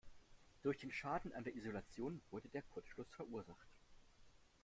Durch den Schaden an der Isolation wurde der Kurzschluss verursacht.